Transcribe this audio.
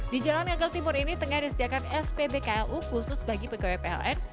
di jalan yang ke timur ini tengah disediakan spbku khusus bagi pkw pln